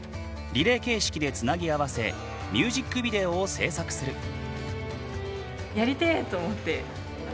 リレー形式でつなぎ合わせミュージックビデオを制作する。